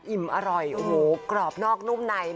อิ่มอร่อยโอ้โหกรอบนอกนุ่มใน